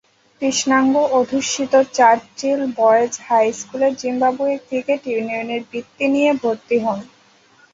কৃষ্ণাঙ্গ অধ্যুষিত Churchill boys high স্কুলে জিম্বাবুয়ে ক্রিকেট ইউনিয়নের বৃত্তি নিয়ে ভর্তি হন।